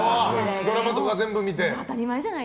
ドラマとか全部見て。